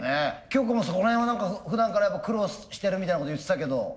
きょうこもそこの辺は何かふだんからやっぱ苦労してるみたいなこと言ってたけど。